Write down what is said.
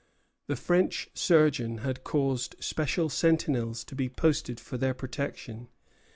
The French surgeon had caused special sentinels to be posted for their protection.